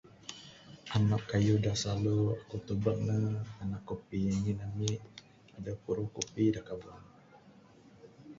Anak kayuh da silalu aku tubek ne, anak kupi, ngin ami adeh puruh kupi da kaba.